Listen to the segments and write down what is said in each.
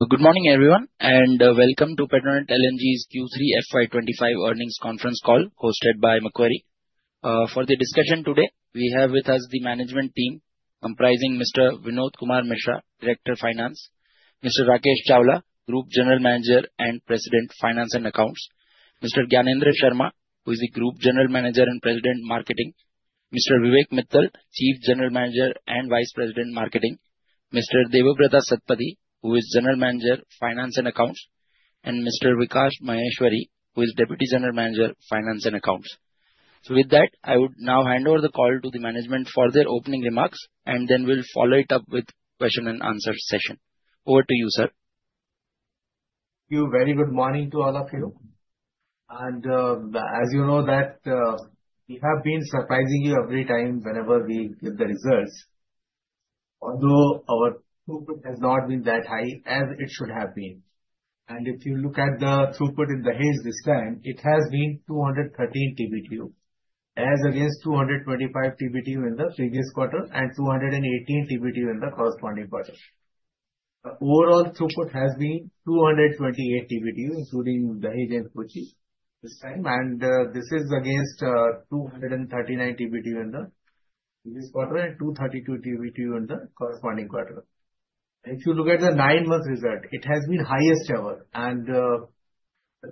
Good morning, everyone, and welcome to Petronet LNG's Q3 FY25 earnings conference call hosted by Macquarie. For the discussion today, we have with us the management team comprising Mr. Vinod Kumar Mishra, Director of Finance, Mr. Rakesh Chawla, Group General Manager and President of Finance and Accounts, Mr. Gyanendra Sharma, who is the Group General Manager and President of Marketing, Mr. Vivek Mittal, Chief General Manager and Vice President of Marketing, Mr. Debabrata Satpathy, who is General Manager, Finance and Accounts, and Mr. Vikas Maheshwari, who is Deputy General Manager, Finance and Accounts. So, with that, I would now hand over the call to the management for their opening remarks, and then we'll follow it up with a question-and-answer session. Over to you, sir. Thank you. Very good morning to all of you, and as you know, we have been surprising you every time whenever we give the results. Although our throughput has not been that high as it should have been, and if you look at the throughput in Dahej this time, it has been 213 TBTU, as against 225 TBTU in the previous quarter and 218 TBTU in the corresponding quarter. Overall, throughput has been 228 TBTU, including Dahej and Kochi this time, and this is against 239 TBTU in the previous quarter and 232 TBTU in the corresponding quarter. If you look at the nine-month result, it has been the highest ever, and the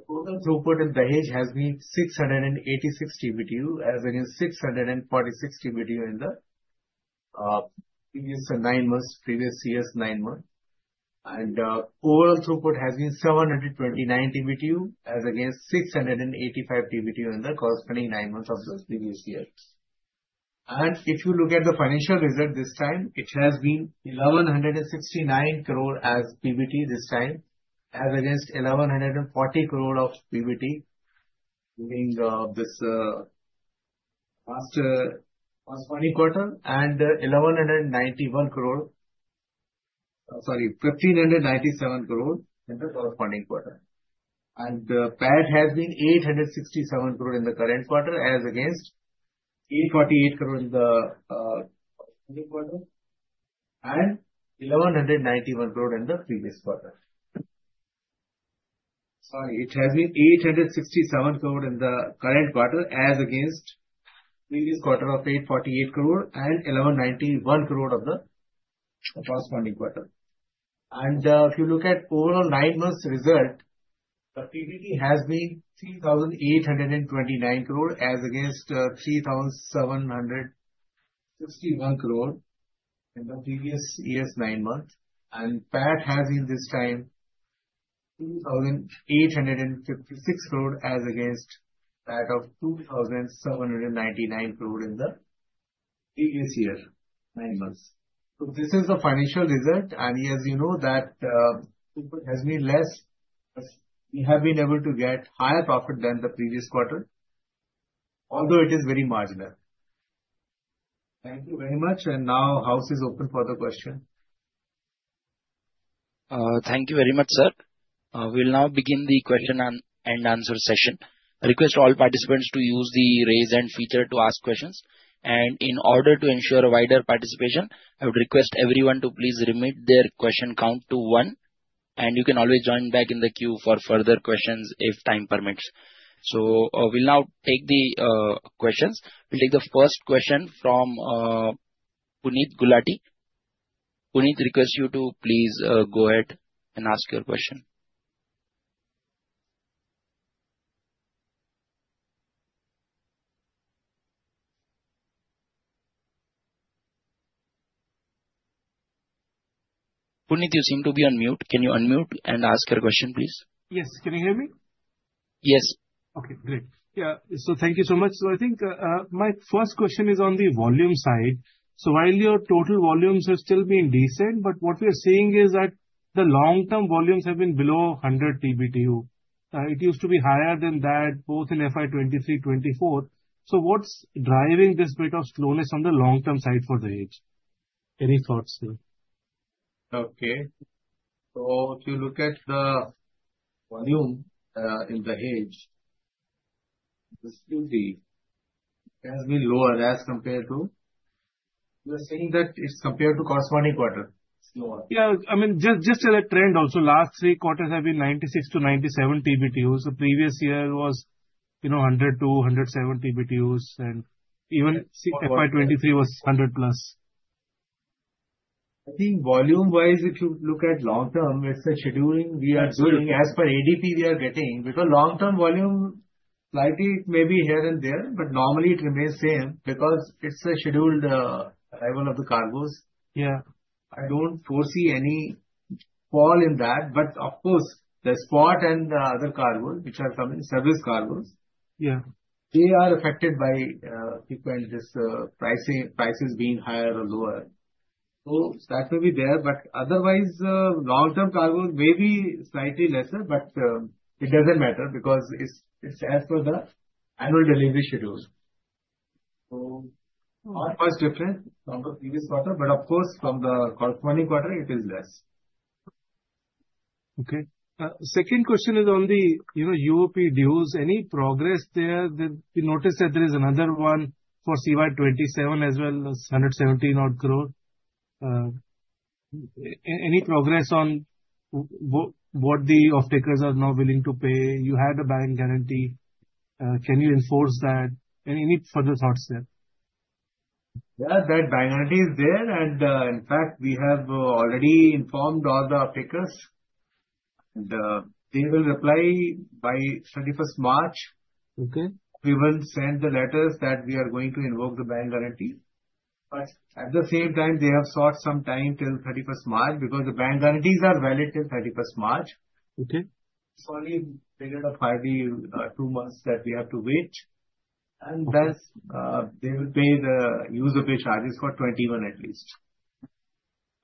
total throughput in Dahej has been 686 TBTU, as against 646 TBTU in the previous nine months, previous year's nine months. Overall throughput has been 729 TBTU, as against 685 TBTU in the corresponding nine months of the previous year. If you look at the financial result this time, it has been 1,169 crore as PBT this time, as against 1,140 crore of PBT during this last corresponding quarter and 1,191 crore, sorry, 1,597 crore in the corresponding quarter. PAT has been 867 crore in the current quarter, as against 848 crore in the corresponding quarter and 1,191 crore in the previous quarter. Sorry, it has been 867 crore in the current quarter, as against the previous quarter of 848 crore and 1,191 crore of the corresponding quarter. If you look at overall nine-month result, the PBT has been 3,829 crore, as against 3,761 crore in the previous year's nine months. And PAT has been this time 2,856 crore, as against that of 2,799 crore in the previous year, nine months. So this is the financial result. And as you know, that has been less. We have been able to get higher profit than the previous quarter, although it is very marginal. Thank you very much. And now, house is open for the question. Thank you very much, sir. We'll now begin the question and answer session. I request all participants to use the raise hand feature to ask questions, and in order to ensure wider participation, I would request everyone to please limit their question count to one, and you can always join back in the queue for further questions if time permits, so we'll now take the questions. We'll take the first question from Puneet Gulati. Puneet, request you to please go ahead and ask your question. Puneet, you seem to be on mute. Can you unmute and ask your question, please? Yes. Can you hear me? Yes. Okay. Great. Yeah. So thank you so much. So I think my first question is on the volume side. So while your total volumes have still been decent, but what we are seeing is that the long-term volumes have been below 100 TBTU. It used to be higher than that, both in FY 2023-24. So what's driving this bit of slowness on the long-term side for Dahej? Any thoughts there? Okay. So if you look at the volume in Dahej, it has been lower as compared to—you're saying that it's compared to the corresponding quarter? Yeah. I mean, just a trend also. Last three quarters have been 96-97 TBTU. So previous year was 100-107 TBTUs, and even FY23 was 100 plus. I think volume-wise, if you look at long-term, it's a scheduling we are doing. As per ADP, we are getting. Because long-term volume, slightly maybe here and there, but normally it remains same because it's a scheduled arrival of the cargoes. I don't foresee any fall in that. But of course, the spot and the other cargoes, which are coming, service cargoes, they are affected by current prices being higher or lower. So that may be there. But otherwise, long-term cargoes may be slightly lesser, but it doesn't matter because it's as per the annual delivery schedule. So not much difference from the previous quarter. But of course, from the corresponding quarter, it is less. Okay. Second question is on the UOP dues. Any progress there? We noticed that there is another one for CY27 as well, 117 crore. Any progress on what the off-takers are now willing to pay? You had a bank guarantee. Can you enforce that? Any further thoughts there? Yeah. That bank guarantee is there. And in fact, we have already informed all the off-takers. And they will reply by 31st March. We will send the letters that we are going to invoke the bank guarantee. But at the same time, they have sought some time till 31st March because the bank guarantees are valid till 31st March. So only a period of two months that we have to wait. And thus, they will pay the use or pay charges for 21 at least.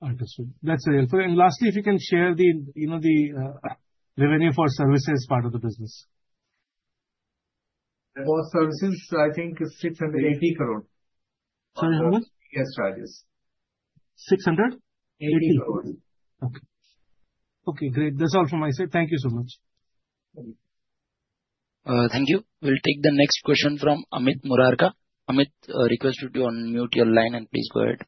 Understood. That's real. And lastly, if you can share the revenue for services part of the business? For services, I think it's 680 crore. 600? Yes, charges. 600? 80 crore. Okay. Okay. Great. That's all from my side. Thank you so much. Thank you. We'll take the next question from Amit Murarka. Amit, request you to unmute your line and please go ahead.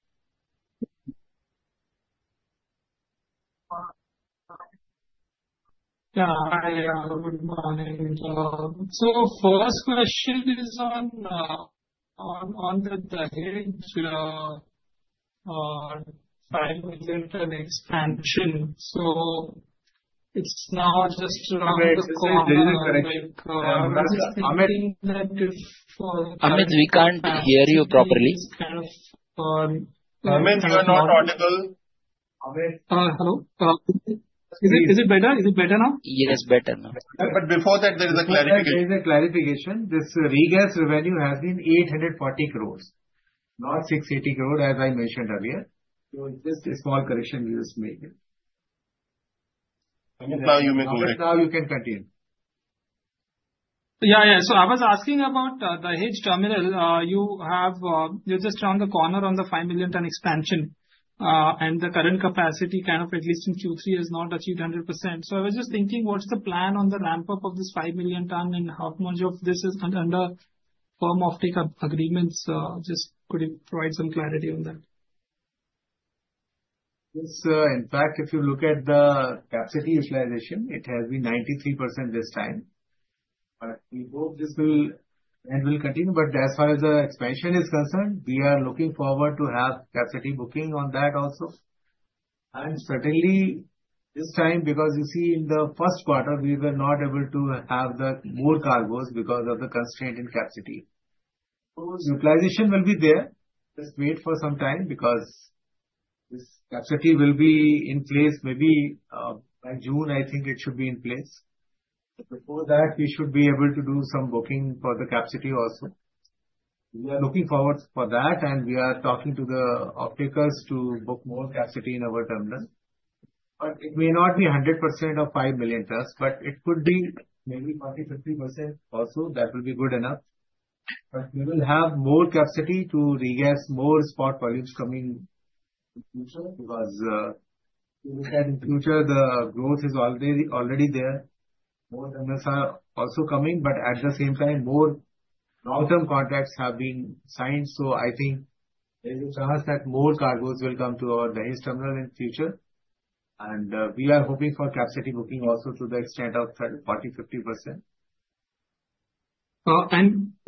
Yeah. Hi. Good morning. First question is on the Dahej facility within the expansion. It's now just around the corner. Amit, we can't hear you properly. Amit, you are not audible. Hello? Is it better? Is it better now? Yes, better now. But before that, there is a clarification. This regas revenue has been 840 crores, not 680 crore, as I mentioned earlier. So just a small correction we just made. Amit, now you may go ahead. Amit, now you can continue. Yeah. Yeah. So I was asking about the Dahej terminal. You're just around the corner on the 5 million ton expansion. And the current capacity kind of, at least in Q3, has not achieved 100%. So I was just thinking, what's the plan on the ramp-up of this 5 million ton and how much of this is under firm off-take agreements? Just could you provide some clarity on that? Yes. In fact, if you look at the capacity utilization, it has been 93% this time. But we hope this will continue. But as far as the expansion is concerned, we are looking forward to have capacity booking on that also. And certainly, this time, because you see, in the first quarter, we were not able to have more cargoes because of the constraint in capacity. So utilization will be there. Just wait for some time because this capacity will be in place maybe by June. I think it should be in place. Before that, we should be able to do some booking for the capacity also. We are looking forward for that. And we are talking to the off-takers to book more capacity in our terminal. But it may not be 100% of 5 million tons, but it could be maybe 40%-50% also. That will be good enough. But we will have more capacity to re-gas more spot volumes coming in the future because in the future, the growth is already there. More terminals are also coming. But at the same time, more long-term contracts have been signed. So I think there is a chance that more cargoes will come to our Dahej terminal in the future. And we are hoping for capacity booking also to the extent of 40%-50%.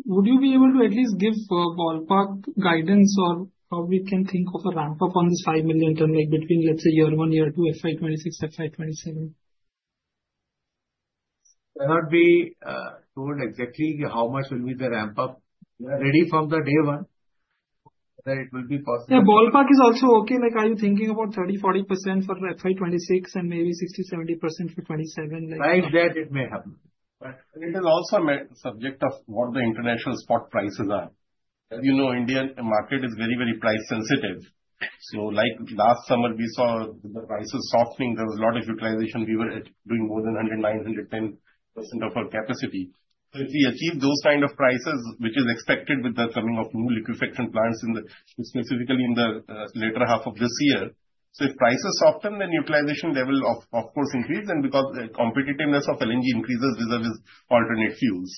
Would you be able to at least give ballpark guidance on how we can think of a ramp-up on this 5 million ton between let's say year one, year two, FY26, FY27? Cannot be told exactly how much will be the ramp-up. We are ready from day one. It will be possible. Yeah. Ballpark is also okay. Are you thinking about 30%-40% for FY 2026 and maybe 60%-70% for 2027? Like that, it may happen. But it is also subject of what the international spot prices are. As you know, the Indian market is very, very price-sensitive. So last summer, we saw the prices softening. There was a lot of utilization. We were doing more than 109%-110% of our capacity. So if we achieve those kind of prices, which is expected with the coming of new liquefaction plants specifically in the later half of this year, so if prices soften, then utilization level, of course, increases. And because the competitiveness of LNG increases with all these alternate fuels.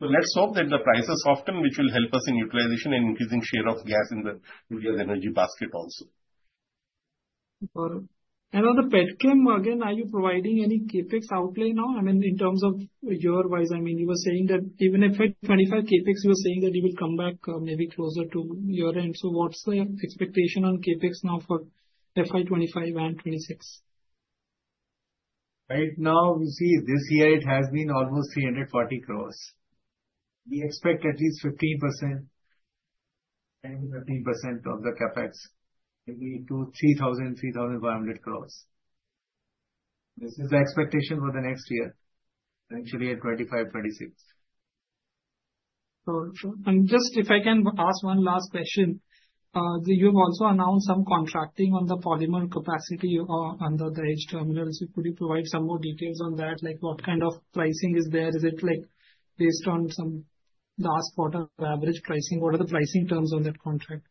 So let's hope that the prices soften, which will help us in utilization and increasing share of gas in the energy basket also. On the Petronet, again, are you providing any CapEx outlay now? I mean, in terms of your wise, I mean, you were saying that even if at 2.5x CapEx, you were saying that you will come back maybe closer to year-end. So what's the expectation on CapEx now for FY25 and FY26? Right now, we see this year, it has been almost ₹340 crore. We expect at least 15%, 10-15% of the CapEx, maybe ₹3,000-₹3,500 crore. This is the expectation for the next year, eventually at 2025, 2026. So just if I can ask one last question, you have also announced some contracting on the polymer capacity under the Dahej terminal. So could you provide some more details on that? What kind of pricing is there? Is it based on some last quarter average pricing? What are the pricing terms on that contract?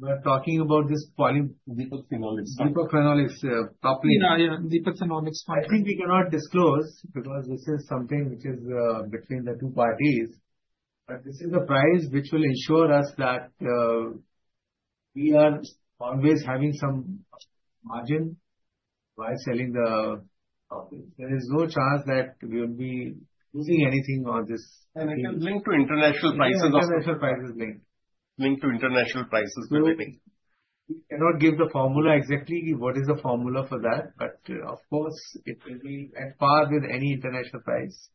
We are talking about this Deepak Phenolics. Yeah. Yeah. Deepak Phenolics. I think we cannot disclose because this is something which is between the two parties. But this is a price which will ensure us that we are always having some margin while selling the. There is no chance that we will be losing anything on this. It will link to international prices, of course. International prices link. Link to international prices will be linked. We cannot give the formula exactly. What is the formula for that? But of course, it will be at par with any international price.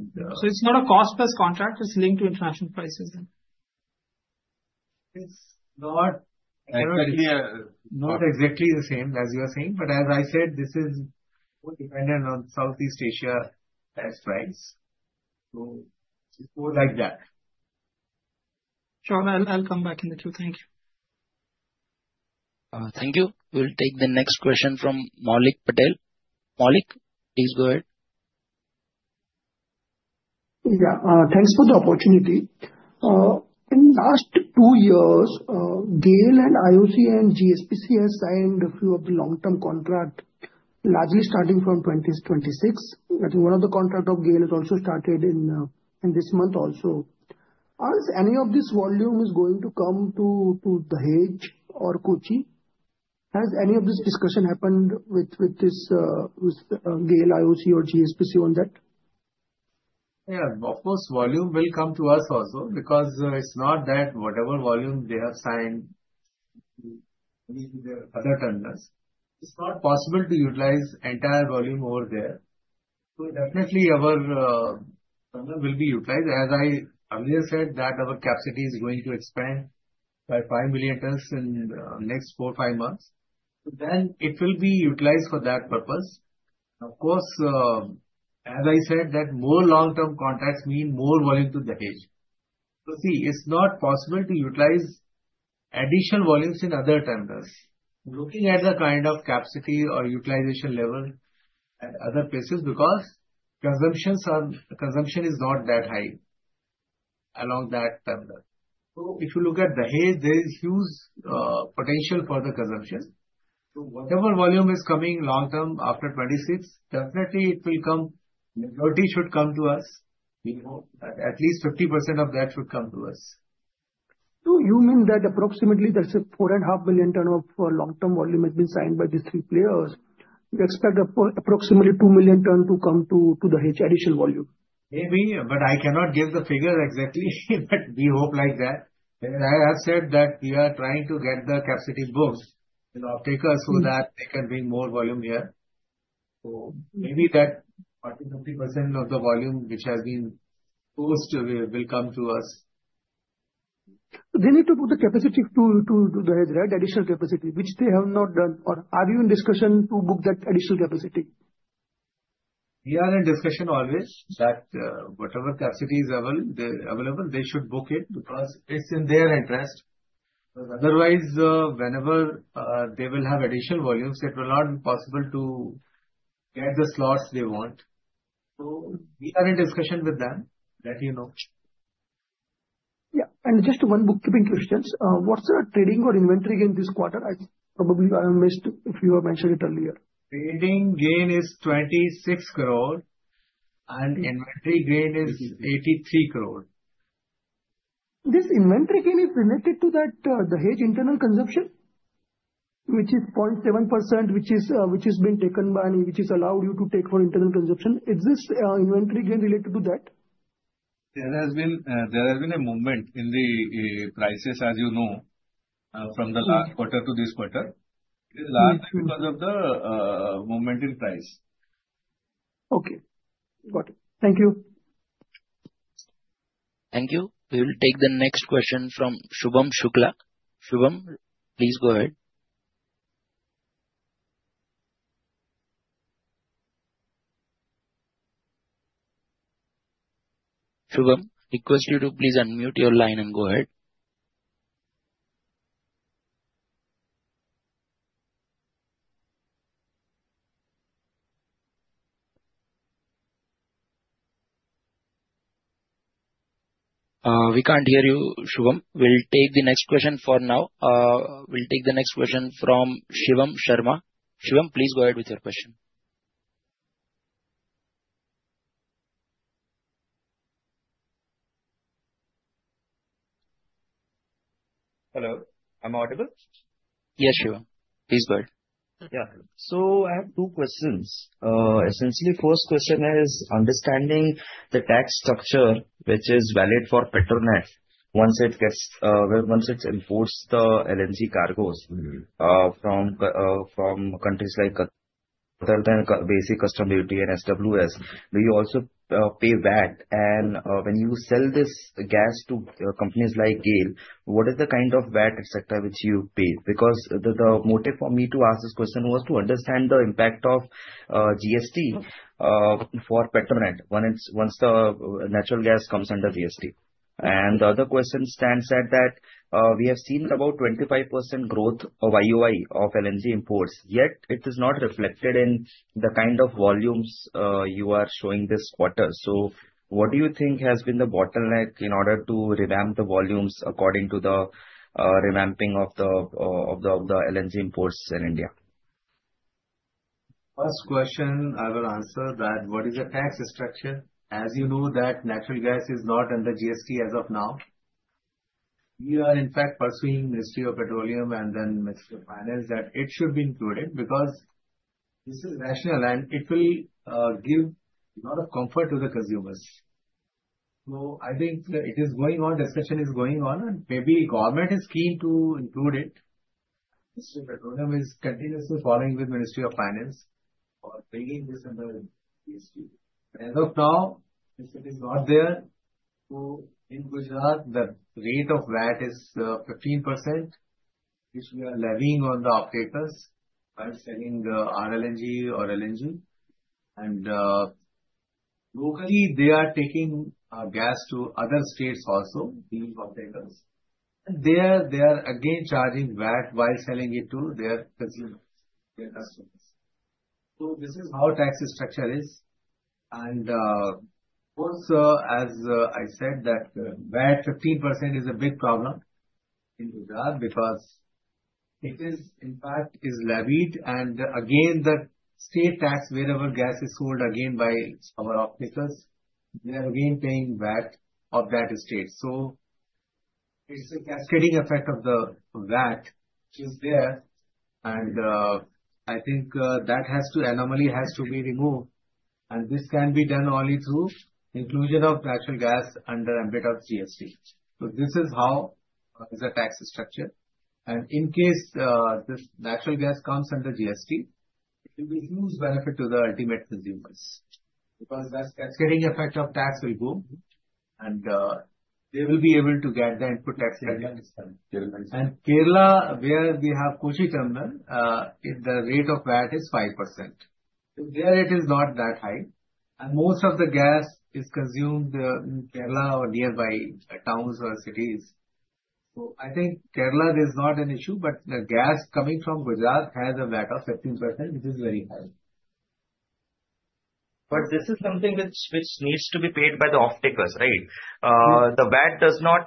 So it's not a cost-plus contract. It's linked to international prices then. It's not exactly the same as you are saying, but as I said, this is more dependent on Southeast Asia as price, so it's more like that. Sure. I'll come back in the queue. Thank you. Thank you. We'll take the next question from Maulik Patel. Maulik, please go ahead. Yeah. Thanks for the opportunity. In the last two years, GAIL and IOC and GSPC have signed a few of the long-term contracts, largely starting from 2026. I think one of the contracts of GAIL has also started in this month also. Has any of this volume going to come to Dahej or Kochi? Has any of this discussion happened with GAIL, IOC, or GSPC on that? Yeah. Of course, volume will come to us also because it's not that whatever volume they have signed with their other terminals, it's not possible to utilize entire volume over there. So definitely, our terminal will be utilized. As I earlier said, that our capacity is going to expand by five million tons in the next four, five months. So then it will be utilized for that purpose. Of course, as I said, that more long-term contracts mean more volume to Dahej. So see, it's not possible to utilize additional volumes in other terminals. Looking at the kind of capacity or utilization level at other places because consumption is not that high along that terminal. So if you look at Dahej, there is huge potential for the consumption. So whatever volume is coming long-term after 2026, definitely it will come. Majority should come to us. We hope that at least 50% of that should come to us. So you mean that approximately there's a 4.5 million tons of long-term volume has been signed by these three players? You expect approximately 2 million tons to come to Dahej, additional volume? Maybe. But I cannot give the figure exactly. But we hope like that. As I said, that we are trying to get the capacity booked in off-takers so that they can bring more volume here. So maybe that 40%-50% of the volume which has been posted will come to us. They need to book the capacity to Dahej, right? Additional capacity, which they have not done. Or are you in discussion to book that additional capacity? We are in discussion always that whatever capacity is available, they should book it because it's in their interest. Because otherwise, whenever they will have additional volumes, it will not be possible to get the slots they want. So we are in discussion with them. Let you know. Yeah, and just one bookkeeping question. What's the trading or inventory gain this quarter? Probably I missed if you have mentioned it earlier. Trading gain is 26 crore, and inventory gain is 83 crore. This inventory gain is related to Dahej internal consumption, which is 0.7%, which has been taken by which has allowed you to take for internal consumption. Is this inventory gain related to that? There has been a movement in the prices, as you know, from the last quarter to this quarter. It is largely because of the movement in price. Okay. Got it. Thank you. Thank you. We will take the next question from Shubham Shukla. Shubham, please go ahead. Shubham, request you to please unmute your line and go ahead. We can't hear you, Shubham. We'll take the next question for now. We'll take the next question from Shivam Sharma. Shubham, please go ahead with your question. Hello. I'm audible? Yes, Shubham. Please go ahead. Yeah. So I have two questions. Essentially, first question is understanding the tax structure which is valid for Petronet once it imports the LNG cargoes from countries like Qatar, then basic customs duty and SWS. Do you also pay VAT? And when you sell this gas to companies like GAIL, what is the kind of VAT etc. which you pay? Because the motive for me to ask this question was to understand the impact of GST for Petronet once the natural gas comes under GST. And the other question stands at that we have seen about 25% growth of IOCL of LNG imports. Yet it is not reflected in the kind of volumes you are showing this quarter. So what do you think has been the bottleneck in order to revamp the volumes according to the revamping of the LNG imports in India? First question, I will answer that. What is the tax structure? As you know, natural gas is not under GST as of now. We are, in fact, pursuing Ministry of Petroleum and then Ministry of Finance that it should be included because this is rational and it will give a lot of comfort to the consumers. I think it is going on. Discussion is going on. Maybe government is keen to include it. Ministry of Petroleum is continuously following with Ministry of Finance for bringing this under GST. As of now, if it is not there, in Gujarat the rate of VAT is 15%, which we are levying on the off-takers while selling RLNG or LNG. Locally, they are taking gas to other states also, these off-takers. There, they are again charging VAT while selling it to their consumers, their customers. This is how the tax structure is. And of course, as I said, that VAT 15% is a big problem in Gujarat because it is, in fact, levied. And again, the state tax wherever gas is sold again by our off-takers, they are again paying VAT of that state. So it's a cascading effect of the VAT which is there. And I think that anomaly has to be removed. And this can be done only through inclusion of natural gas under the ambit of GST. So this is how the tax structure is. And in case this natural gas comes under GST, it will be a huge benefit to the ultimate consumers because the cascading effect of tax will go and they will be able to get the input tax levy. And in Kerala, where we have Kochi terminal, the rate of VAT is 5%. So there, it is not that high. And most of the gas is consumed in Kerala or nearby towns or cities. So I think Kerala, there is not an issue. But the gas coming from Gujarat has a VAT of 15%, which is very high. But this is something which needs to be paid by the off-takers, right? The VAT does not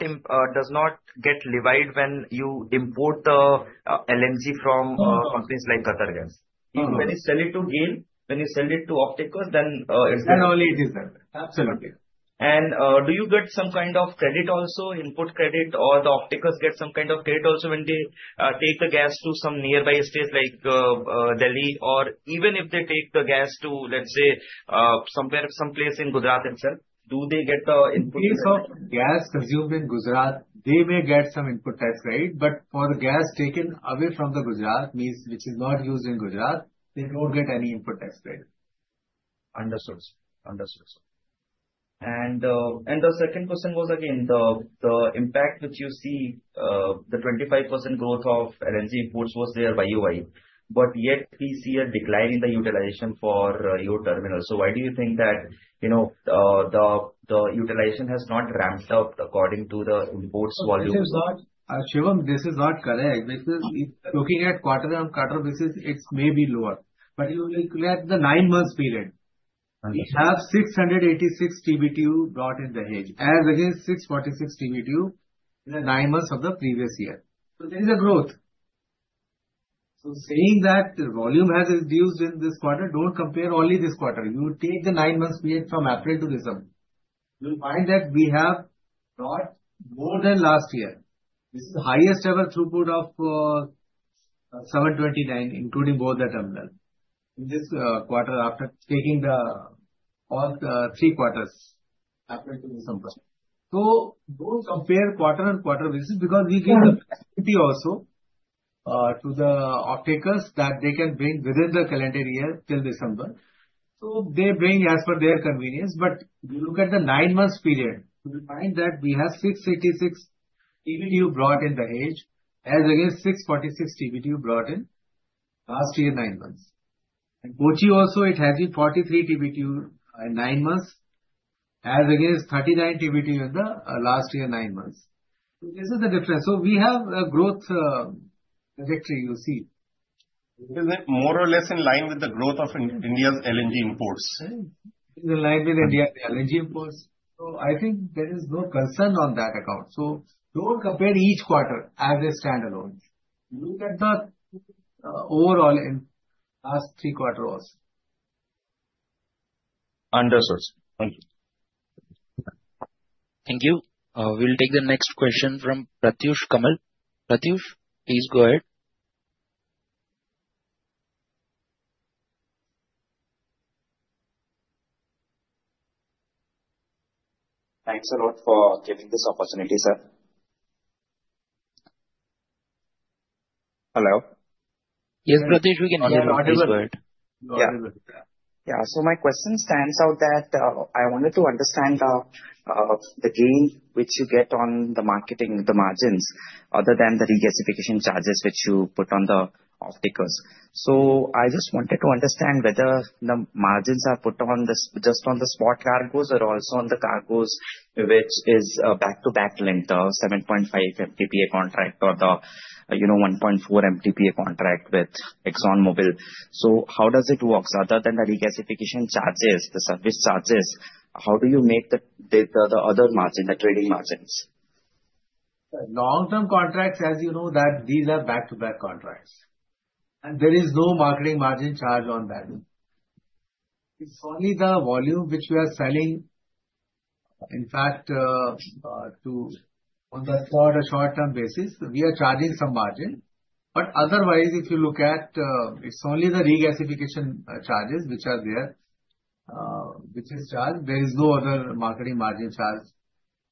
get levied when you import the LNG from companies like QatarGas. When you sell it to GAIL, when you sell it to off-takers, then it's there. Then only it is there. Absolutely. And do you get some kind of credit also, input credit, or do off-takers get some kind of credit also when they take the gas to some nearby states like Delhi? Or even if they take the gas to, let's say, somewhere, someplace in Gujarat itself, do they get the input tax? In case of gas consumed in Gujarat, they may get some input tax, right? But for the gas taken away from Gujarat, which is not used in Gujarat, they don't get any input tax, right? Understood. Understood. And the second question was again, the impact which you see the 25% growth of LNG imports was there by IOCL. But yet we see a decline in the utilization for your terminal. So why do you think that the utilization has not ramped up according to the imports volume? This is not, Shubham, this is not correct. Looking at quarter-on-quarter basis, it may be lower. But you look at the nine-month period, we have 686 TBTU brought in Dahej as against 646 TBTU in the nine months of the previous year. So there is a growth. So saying that the volume has reduced in this quarter, don't compare only this quarter. You take the nine-month period from April to December. You'll find that we have brought more than last year. This is the highest ever throughput of 729, including both the terminal in this quarter after taking the all three quarters after December. So don't compare quarter-on-quarter basis because we gain the capacity also to the off-takers that they can bring within the calendar year till December. So they bring as per their convenience. But you look at the nine-month period, you'll find that we have 686 TBTU brought in Dahej as against 646 TBTU brought in last year nine months. And Kochi also, it has been 43 TBTU in nine months as against 39 TBTU in the last year nine months. So this is the difference. So we have a growth trajectory, you see. Is it more or less in line with the growth of India's LNG imports? It is in line with India's LNG imports. So I think there is no concern on that account. So don't compare each quarter as a standalone. Look at the overall in the last three quarters also. Understood. Thank you. Thank you. We'll take the next question from Pratyush Kamal. Pratyush, please go ahead. Thanks a lot for giving this opportunity, sir. Hello? Yes, Pratyush, we can hear you. Please go ahead. Yeah. So my question stands out that I wanted to understand the gain which you get on the marketing, the margins, other than the regasification charges which you put on the off-takers. So I just wanted to understand whether the margins are put on just on the spot cargoes or also on the cargoes which is back-to-back long-term 7.5 MTPA contract or the 1.4 MTPA contract with ExxonMobil. So how does it work? So other than the regasification charges, the service charges, how do you make the other margin, the trading margins? Long-term contracts, as you know, these are back-to-back contracts. And there is no marketing margin charge on that. It's only the volume which we are selling, in fact, on the short-term basis. We are charging some margin. But otherwise, if you look at, it's only the regasification charges which are there, which is charged. There is no other marketing margin charge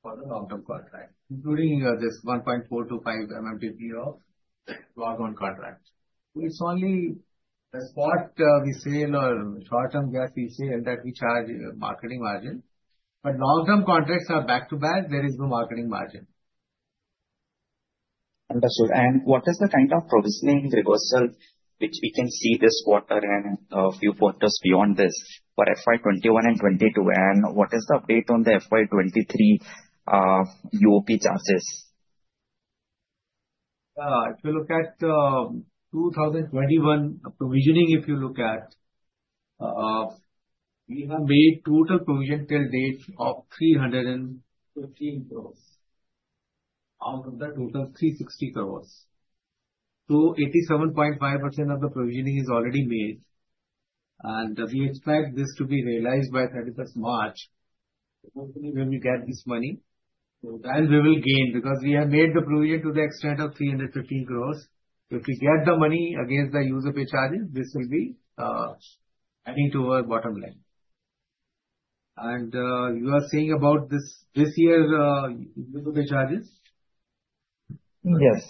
for the long-term contract, including this 1.425 MMTPA of long-term contract. So it's only the spot we sell or short-term gas we sell that we charge marketing margin. But long-term contracts are back-to-back. There is no marketing margin. Understood. And what is the kind of provisioning reversal which we can see this quarter and a few quarters beyond this for FY 2021 and 2022? And what is the update on the FY 2023 UOP charges? If you look at 2021 provisioning, if you look at, we have made total provision till date of 315 crores out of the total 360 crores. So 87.5% of the provisioning is already made. And we expect this to be realized by 31st March. Hopefully, when we get this money, then we will gain because we have made the provision to the extent of 315 crores. If we get the money against the use of the charges, this will be adding to our bottom line. And you are saying about this year's use of the charges? Yes.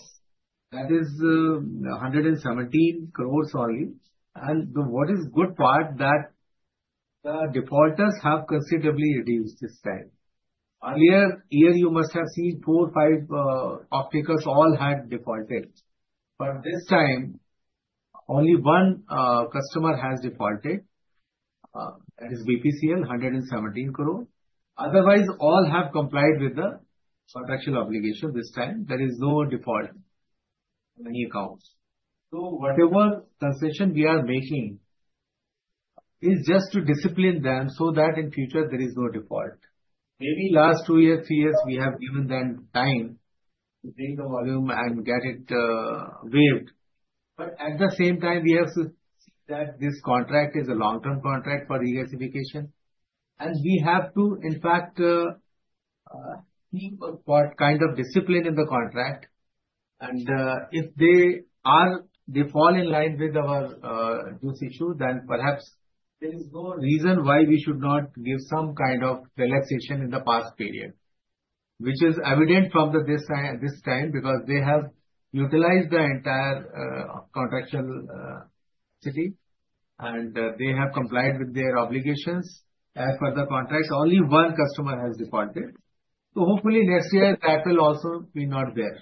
That is 117 crores only. And what is the good part? That the defaulters have considerably reduced this time. Earlier year, you must have seen four, five off-takers all had defaulted. But this time, only one customer has defaulted. That is BPCL, 117 crores. Otherwise, all have complied with the contractual obligation this time. There is no default on any accounts. So whatever concession we are making is just to discipline them so that in future, there is no default. Maybe last two years, three years, we have given them time to bring the volume and get it waived. But at the same time, we have to see that this contract is a long-term contract for regasification. And we have to, in fact, think about what kind of discipline in the contract. If they fall in line with our due issue, then perhaps there is no reason why we should not give some kind of relaxation in the past period, which is evident from this time because they have utilized the entire contractual capacity. They have complied with their obligations as per the contracts. Only one customer has defaulted. Hopefully, next year, that will also be not there.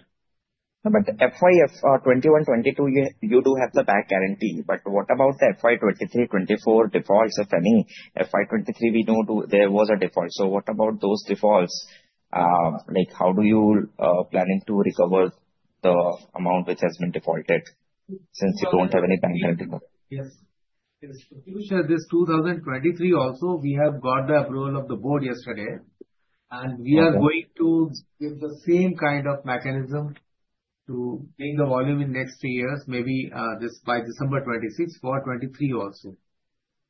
But FY 2021, 2022, you do have the bank guarantee. But what about the FY 2023, 2024 defaults, if any? FY 2023, we know there was a default. So what about those defaults? How do you plan to recover the amount which has been defaulted since you don't have any bank guarantee? Yes. Yes. To finish this, 2023 also, we have got the approval of the board yesterday. And we are going to give the same kind of mechanism to bring the volume in next three years, maybe this by December 26 for 23 also.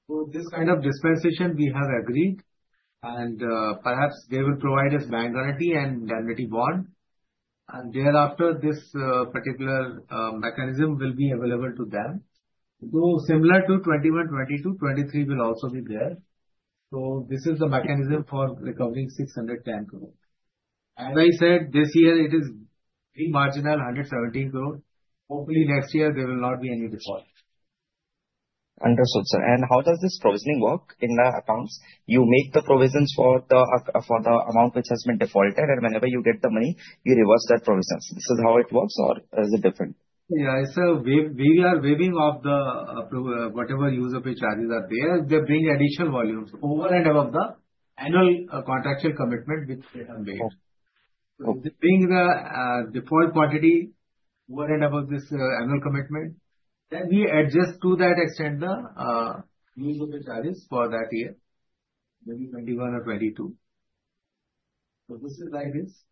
So this kind of dispensation, we have agreed. And perhaps they will provide us bank guarantee and indemnity bond. And thereafter, this particular mechanism will be available to them. So similar to 21, 22, 23 will also be there. So this is the mechanism for recovering ₹610 crores. As I said, this year, it is very marginal, ₹117 crores. Hopefully, next year, there will not be any default. Understood, sir. And how does this provisioning work in the accounts? You make the provisions for the amount which has been defaulted. And whenever you get the money, you reverse that provisions. This is how it works, or is it different? Yeah. So we are waiving off whatever use or pay charges are there. They bring additional volumes over and above the annual contractual commitment which they have made. So they bring the additional quantity over and above this annual commitment. Then we adjust to that extent the use or pay charges for that year, maybe 21 or 22. So this is like this.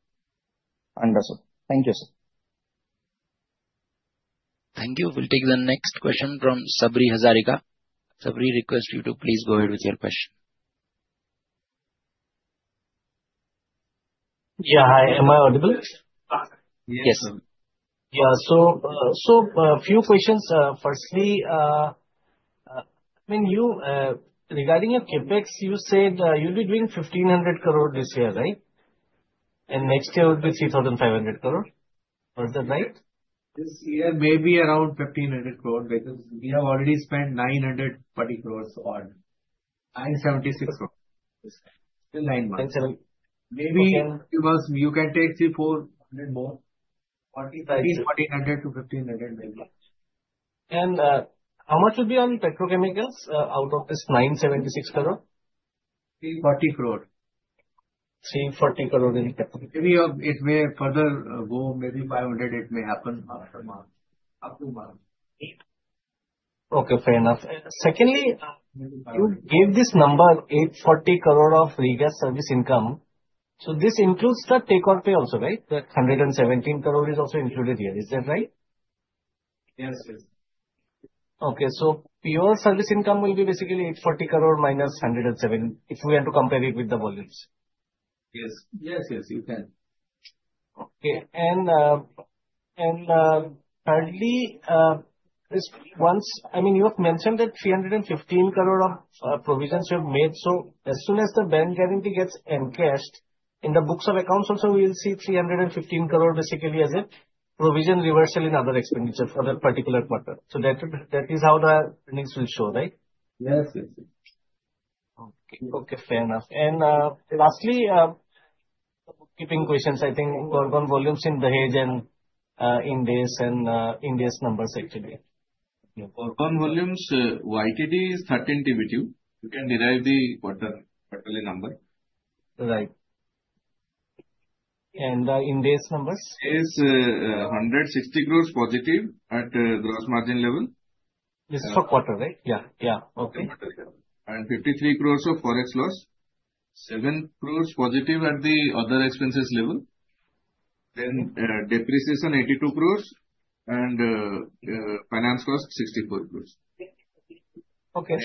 Understood. Thank you, sir. Thank you. We'll take the next question from Sabri Hazarika. Sabri, request you to please go ahead with your question. Yeah. Hi. Am I audible? Yes. Yeah, so a few questions. Firstly, regarding your CAPEX, you said you'll be doing 1,500 crores this year, right, and next year, it will be 3,500 crores. Was that right? This year, maybe around ₹1,500 crore because we have already spent ₹940 crore on ₹976 crore. Still nine months. Maybe you can take ₹3,400 crore more. ₹3,400 crore to ₹1,500 crore maybe. How much will be on petrochemicals out of this ₹976 crores? 340 crores. 340 crores in petrochemicals. Maybe it may further go. Maybe 500, it may happen after month. Okay. Fair enough. Secondly, you gave this number, ₹840 crore of regas service income. So this includes the take or pay also, right? ₹117 crore is also included here. Is that right? Yes. Okay. So pure service income will be basically ₹840 crores minus ₹117 if we want to compare it with the volumes. Yes. Yes. Yes. You can. Okay. And thirdly, I mean, you have mentioned that 315 crores of provisions you have made. So as soon as the bank guarantee gets encashed in the books of accounts also, we will see 315 crores basically as a provision reversal in other expenditures for that particular quarter. So that is how the earnings will show, right? Yes. Okay. Okay. Fair enough. And lastly, the bookkeeping questions, I think, work on volumes in Dahej and in Dahej and in Dahej numbers, actually. Work on volumes, YTD is 13 TBTU. You can derive the quarterly number. Right and in days numbers? It is ₹160 crores positive at gross margin level. This is for quarter, right? Yeah. Yeah. Okay. 53 crores of forex loss, 7 crores positive at the other expenses level. Depreciation 82 crores and finance cost 64 crores. Okay.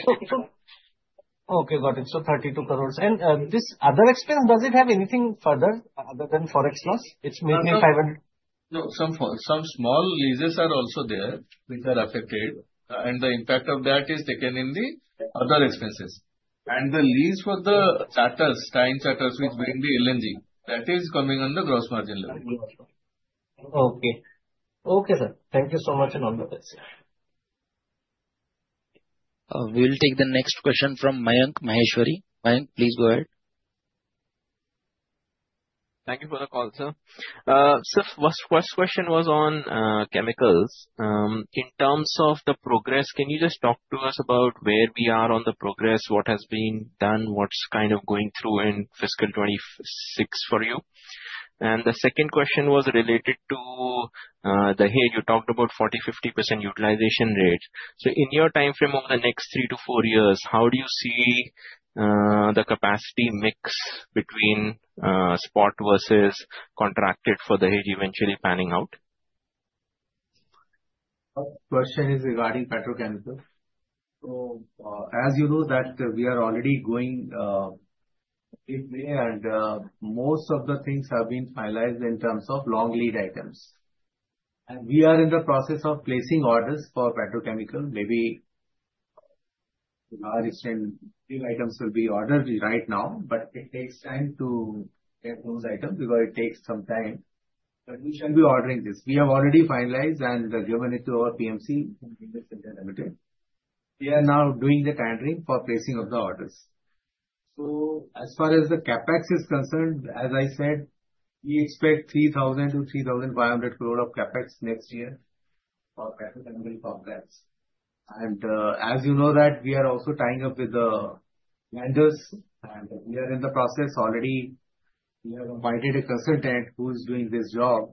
Okay. Got it. So 32 crores. And this other expense, does it have anything further other than forex loss? It's mainly 500. No. Some small leases are also there which are affected. And the impact of that is taken in the other expenses. And the lease for the charters, time charters which bring the LNG, that is coming on the gross margin level. Okay. Okay, sir. Thank you so much and all the best. We'll take the next question from Mayank Maheshwari. Mayank, please go ahead. Thank you for the call, sir. First question was on chemicals. In terms of the progress, can you just talk to us about where we are on the progress, what has been done, what's kind of going through in fiscal 2026 for you? And the second question was related to Dahej. You talked about 40%-50% utilization rate. So in your time frame over the next three to four years, how do you see the capacity mix between spot versus contracted for Dahej eventually panning out? Question is regarding petrochemicals. So as you know, we are already going mid-May, and most of the things have been finalized in terms of long lead items. And we are in the process of placing orders for petrochemical. Maybe large and big items will be ordered right now, but it takes time to get those items because it takes some time. But we should be ordering this. We have already finalized and given it to our PMC, Engineers India Limited. We are now doing the tendering for placing of the orders. So as far as the CAPEX is concerned, as I said, we expect 3,000-3,500 crores of CAPEX next year for petrochemical complex. And as you know, we are also tying up with the vendors. And we are in the process already. We have invited a consultant who is doing this job.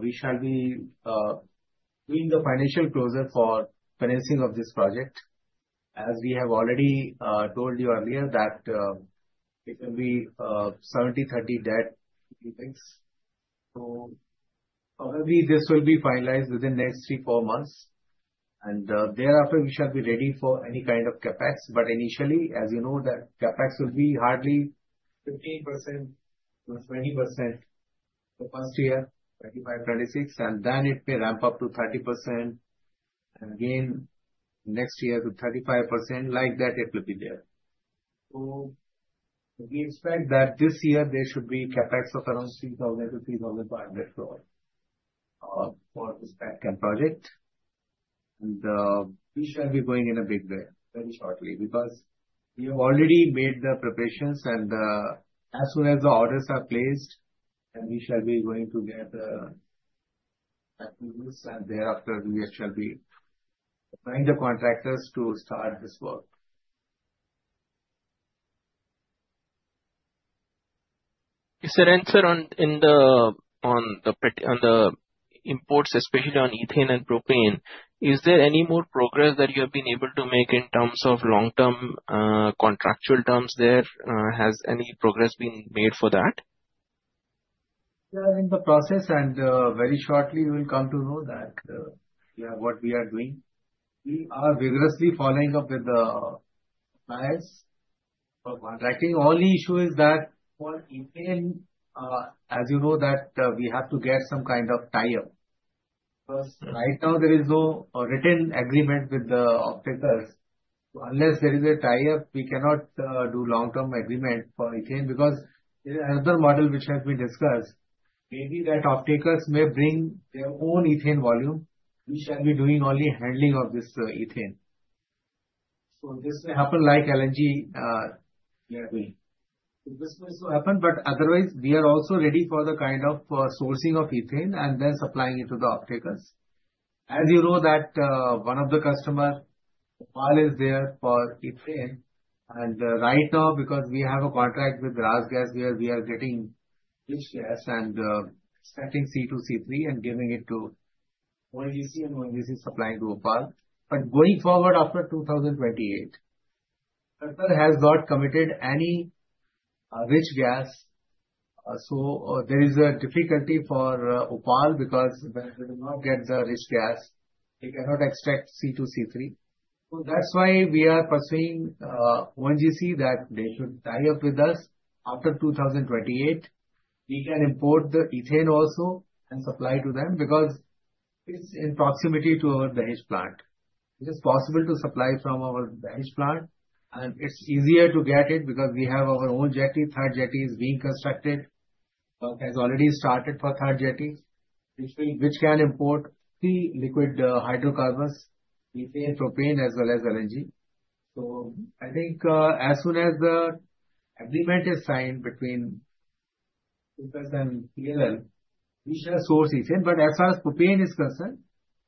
We shall be doing the financial closure for financing of this project. As we have already told you earlier that it will be 70/30 debt-equity. Probably this will be finalized within the next three, four months. Thereafter, we shall be ready for any kind of CapEx. Initially, as you know, the CapEx will be hardly 15%-20% the first year, 2025, 2026. Then it may ramp up to 30% and again next year to 35%. Like that, it will be there. We expect that this year, there should be CapEx of around 3,000-3,500 crores for this back-end project. We shall be going in a big way very shortly because we have already made the preparations. As soon as the orders are placed, then we shall be going to get the provisions. Thereafter, we shall be trying the contractors to start this work. Is there anything on the imports, especially on ethane and propane? Is there any more progress that you have been able to make in terms of long-term contractual terms there? Has any progress been made for that? We are in the process, and very shortly, you will come to know that what we are doing. We are vigorously following up with the suppliers for contracting. Only issue is that for ethane, as you know, we have to get some kind of tie-up. Because right now, there is no written agreement with the off-takers. Unless there is a tie-up, we cannot do long-term agreement for ethane because there is another model which has been discussed. Maybe that off-takers may bring their own ethane volume. We shall be doing only handling of this ethane. So this may happen like LNG level, so this may so happen. But otherwise, we are also ready for the kind of sourcing of ethane and then supplying it to the off-takers. As you know, one of the customers, OPaL, is there for ethane. Right now, because we have a contract with RasGas, where we are getting rich gas and separating C2, C3 and giving it to ONGC and ONGC supplying to Opal. But going forward after 2028, Qatar has not committed any rich gas. So there is a difficulty for Opal because they will not get the rich gas. They cannot extract C2, C3. So that's why we are pursuing ONGC that they should tie up with us after 2028. We can import the ethane also and supply to them because it's in proximity to our Dahej plant. It is possible to supply from our Dahej plant. And it's easier to get it because we have our own jetty. Third jetty is being constructed. Has already started for third jetty, which can import three liquid hydrocarbons, ethane, propane, as well as LNG. So I think as soon as the agreement is signed between TRPC and PLL, we shall source ethane. But as far as propane is concerned,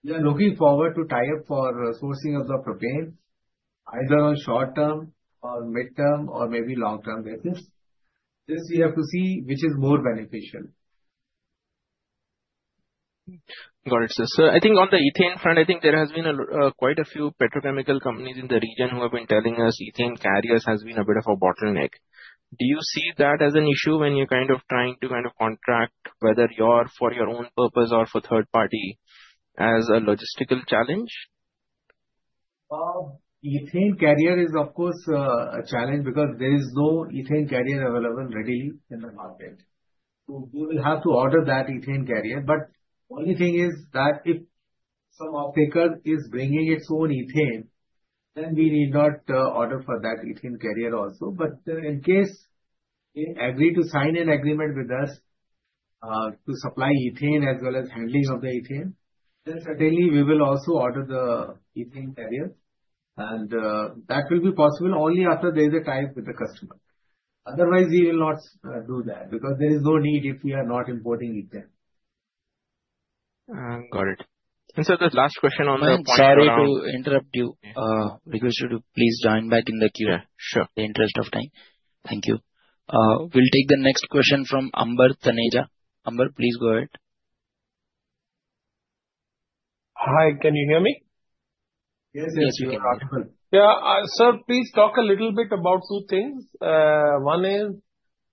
we are looking forward to tie up for sourcing of the propane, either on short-term or mid-term or maybe long-term basis. This we have to see which is more beneficial. Got it, sir. So I think on the ethane front, I think there has been quite a few petrochemical companies in the region who have been telling us ethane carriers has been a bit of a bottleneck. Do you see that as an issue when you're kind of trying to kind of contract whether you're for your own purpose or for third party as a logistical challenge? Ethane carrier is, of course, a challenge because there is no ethane carrier available readily in the market. So we will have to order that ethane carrier. But the only thing is that if some off-taker is bringing its own ethane, then we need not order for that ethane carrier also. But in case they agree to sign an agreement with us to supply ethane as well as handling of the ethane, then certainly we will also order the ethane carrier. And that will be possible only after there is a tie-up with the customer. Otherwise, we will not do that because there is no need if we are not importing ethane. Got it. And sir, the last question on the point. Sorry to interrupt you. Request you to please join back in the queue. Yeah. Sure. the interest of time. Thank you. We'll take the next question from Ambar Taneja. Amber, please go ahead. Hi. Can you hear me? Yes. Yes. Yes. You can hear me. Yeah. Sir, please talk a little bit about two things. One is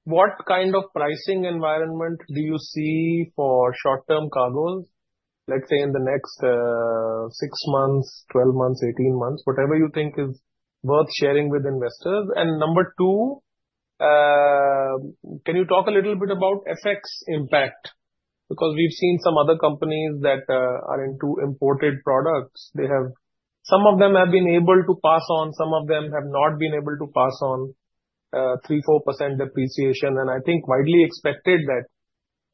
what kind of pricing environment do you see for short-term cargoes, let's say in the next 6 months, 12 months, 18 months, whatever you think is worth sharing with investors. And number two, can you talk a little bit about FX impact? Because we've seen some other companies that are into imported products. Some of them have been able to pass on. Some of them have not been able to pass on 3-4% depreciation. And I think widely expected that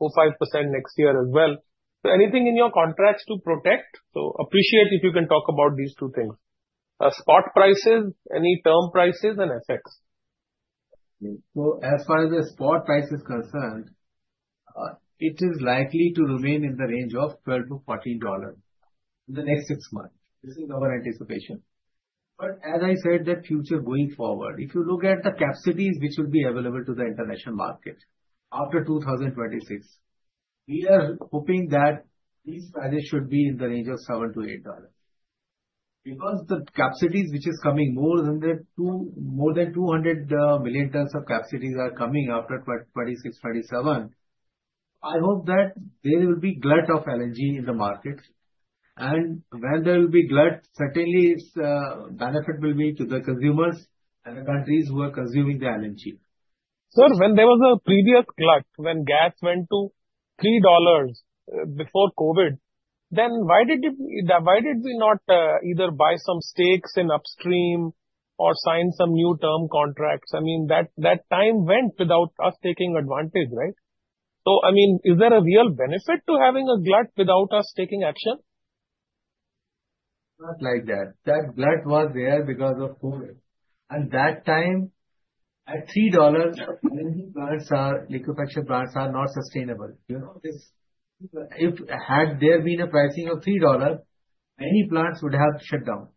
4-5% next year as well. So anything in your contracts to protect? So appreciate if you can talk about these two things: spot prices, any term prices, and FX. As far as the spot price is concerned, it is likely to remain in the range of $12-$14 in the next six months. This is our anticipation. But as I said, the future going forward, if you look at the capacities which will be available to the international market after 2026, we are hoping that these prices should be in the range of $7-$8. Because the capacities which is coming, more than 200 million tons of capacities are coming after 26, 27. I hope that there will be glut of LNG in the market. And when there will be glut, certainly its benefit will be to the consumers and the countries who are consuming the LNG. Sir, when there was a previous glut, when gas went to $3 before COVID, then why did we not either buy some stakes in upstream or sign some new term contracts? I mean, that time went without us taking advantage, right? So I mean, is there a real benefit to having a glut without us taking action? Not like that. That glut was there because of COVID. And that time, at $3, LNG plants are liquefaction plants are not sustainable. If had there been a pricing of $3, many plants would have shut down.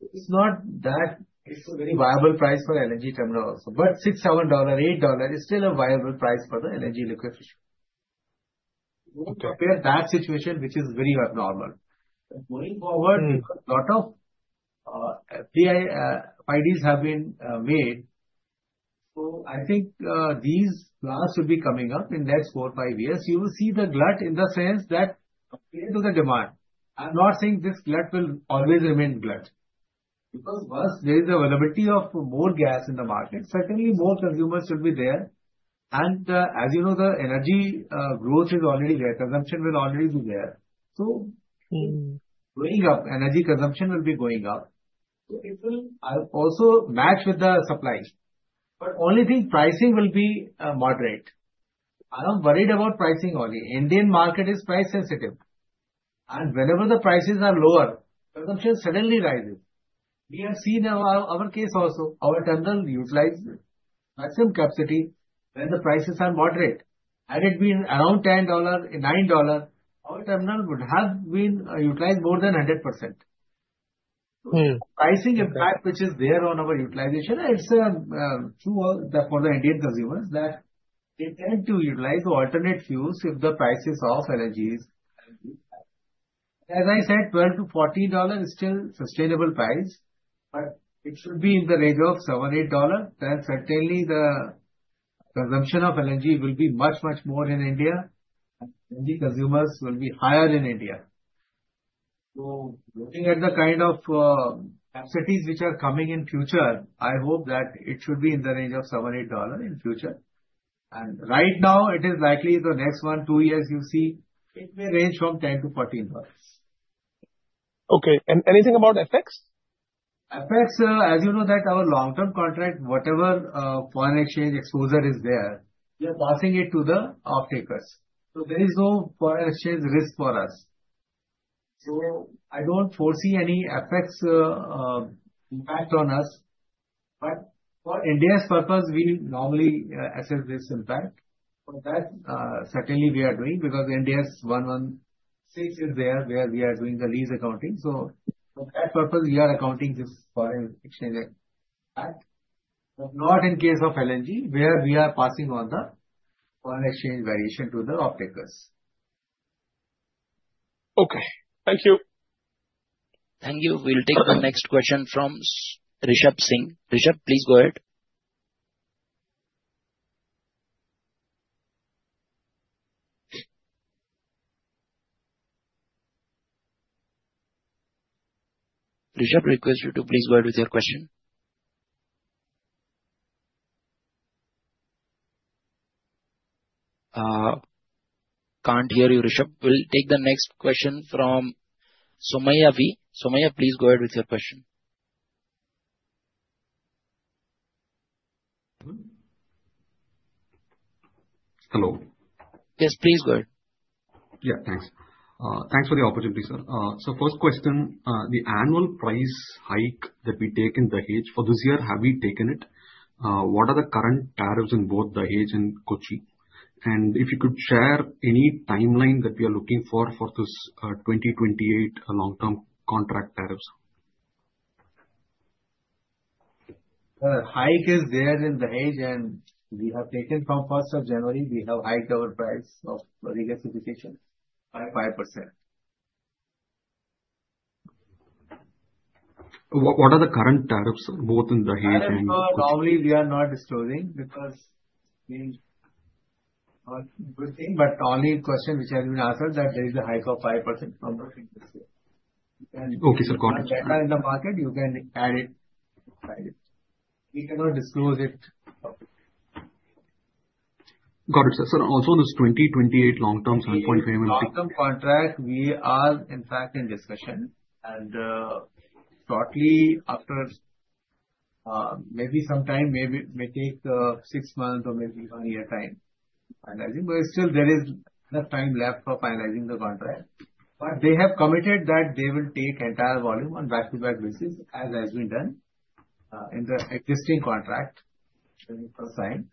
It's not that it's a very viable price for LNG terminal also. But $6, $7, $8 is still a viable price for the LNG liquefaction. We will prepare that situation, which is very abnormal. But going forward, a lot of FIDs have been made. So I think these plants will be coming up in the next four, five years. You will see the glut in the sense that compared to the demand. I'm not saying this glut will always remain glut. Because once there is availability of more gas in the market, certainly more consumers will be there. And as you know, the energy growth is already there. Consumption will already be there, so going up, energy consumption will be going up, so it will also match with the supply, but only thing pricing will be moderate. I am worried about pricing only. Indian market is price sensitive, and whenever the prices are lower, consumption suddenly rises. We have seen in our case also, our terminal utilizes maximum capacity when the prices are moderate. Had it been around $10, $9, our terminal would have been utilized more than 100%, so the pricing impact which is there on our utilization, it's true for the Indian consumers that they tend to utilize alternate fuels if the price is off LNG. As I said, $12-$14 is still a sustainable price, but it should be in the range of $7-$8, then certainly the consumption of LNG will be much, much more in India. LNG consumers will be higher in India. So, looking at the kind of capacities which are coming in future, I hope that it should be in the range of $7-$8 in future. Right now, it is likely the next one, two years you see, it may range from $10-$14. Okay. And anything about FX? FX, as you know, that our long-term contract, whatever foreign exchange exposure is there, we are passing it to the off-takers. So there is no foreign exchange risk for us. So I don't foresee any FX impact on us. But for India's purpose, we normally assess this impact. But that certainly we are doing because Ind AS 116 is there where we are doing the lease accounting. So for that purpose, we are accounting this foreign exchange impact. But not in case of LNG where we are passing on the foreign exchange variation to the off-takers. Okay. Thank you. Thank you. We'll take the next question from Rishab Singh. Rishab, please go ahead. Rishab, request you to please go ahead with your question. Can't hear you, Rishab. We'll take the next question from Somayya V. Somayya, please go ahead with your question. Hello. Yes, please go ahead. Yeah, thanks. Thanks for the opportunity, sir. So first question, the annual price hike that we take in Dahej for this year, have we taken it? What are the current tariffs in both Dahej and Kochi? And if you could share any timeline that we are looking for for this 2028 long-term contract tariffs? The hike is there in Dahej. And we have taken from 1st of January, we have hiked our price of regasification by 5%. What are the current tariffs both in Dahej and? Normally, we are not disclosing because it's been a good thing. But only question which has been answered that there is a hike of 5% from the. Okay, sir. Got it. Data in the market, you can add it. We cannot disclose it. Got it, sir. So also on this 2028 long-term 7.5 MLT. Long-term contract, we are in fact in discussion, and shortly after, maybe sometime, may take six months or maybe one year time finalizing, but still, there is enough time left for finalizing the contract, but they have committed that they will take entire volume on back-to-back basis as has been done in the existing contract when it was signed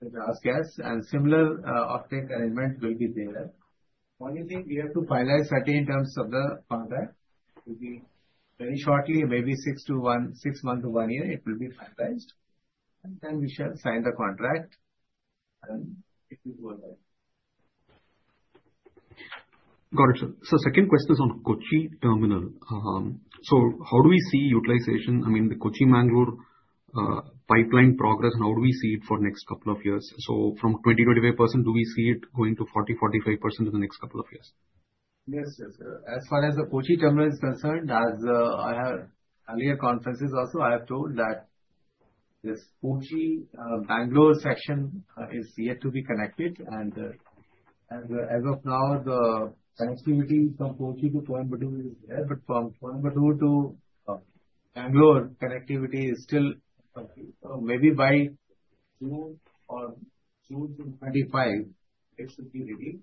with RasGas, and similar off-take arrangement will be there. Only thing we have to finalize certainly in terms of the contract. It will be very shortly, maybe six months to one year, it will be finalized, and then we shall sign the contract, and if you go ahead. Got it, sir. So second question is on Kochi terminal. So how do we see utilization? I mean, the Kochi-Mangalore pipeline progress, how do we see it for the next couple of years? So from 25%, do we see it going to 40%-45% in the next couple of years? Yes, yes, sir. As far as the Kochi terminal is concerned, as I have earlier conferences also, I have told that this Kochi-Mangalore section is yet to be connected. And as of now, the connectivity from Kochi to Coimbatore is there. But from Coimbatore to Bangalore, connectivity is still maybe by June or June 2025, it should be ready.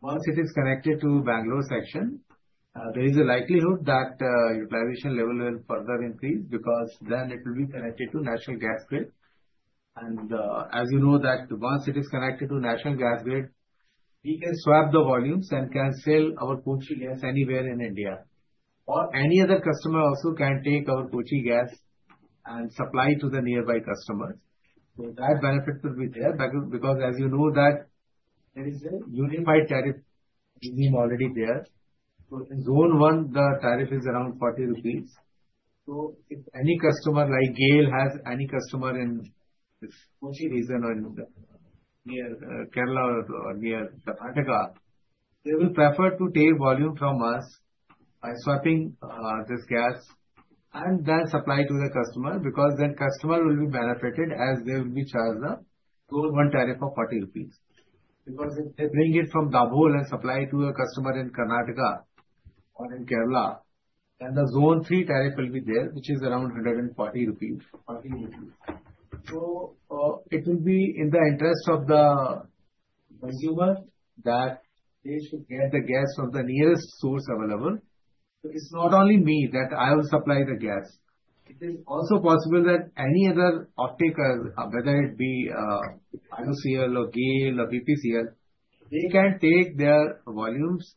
Once it is connected to Bangalore section, there is a likelihood that utilization level will further increase because then it will be connected to national gas grid. And as you know, that once it is connected to national gas grid, we can swap the volumes and can sell our Kochi gas anywhere in India. Or any other customer also can take our Kochi gas and supply to the nearby customers. So that benefit will be there because as you know, that there is a unified tariff regime already there. In zone one, the tariff is around 40 rupees. If any customer like GAIL has any customer in Kochi region or near Kerala or near Karnataka, they will prefer to take volume from us by swapping this gas and then supply to the customer because then customer will be benefited as they will be charged the zone one tariff of 40 rupees. Because if they bring it from Dabhol and supply to a customer in Karnataka or in Kerala, then the zone three tariff will be there, which is around 140 rupees. It will be in the interest of the consumer that they should get the gas from the nearest source available. It's not only me that I will supply the gas. It is also possible that any other off-takers, whether it be IOCL or GAIL or BPCL, they can take their volumes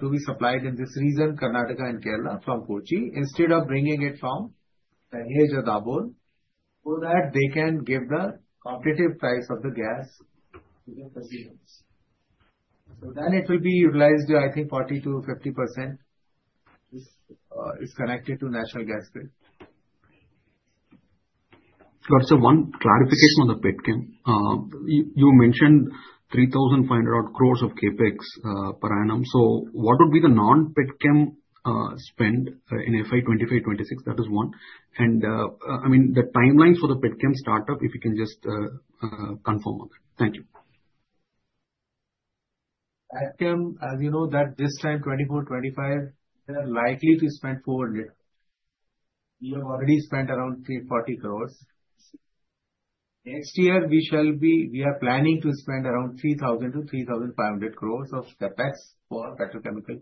to be supplied in this region, Karnataka and Kerala from Kochi instead of bringing it from Dahej or Dabhol so that they can give the competitive price of the gas to the consumers. So then it will be utilized, I think 40%-50% is connected to national gas grid. Got it. So one clarification on the Petchem. You mentioned ₹3,500 crore of CapEx per annum. So what would be the non-Petchem spend in FY 2025-26? That is one. And I mean, the timelines for the Petchem startup, if you can just confirm on that. Thank you. PETCAM, as you know, that this time 24, 25, they are likely to spend ₹400. We have already spent around ₹40 crores. Next year, we are planning to spend around ₹3,000-₹3,500 crores of CAPEX for petrochemical,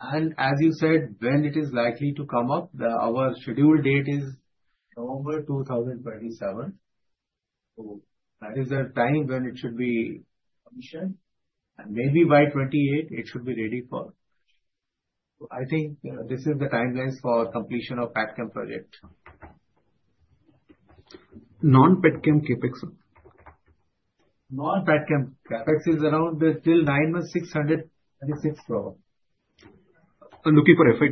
and as you said, when it is likely to come up, our scheduled date is November 2027, so that is the time when it should be commissioned, and maybe by 2028, it should be ready for commission, so I think this is the timelines for completion of PETCAM project. Non-PETCAM CAPEX? Non-Petronet CapEx is around till nine months, 626 crore. Looking for FI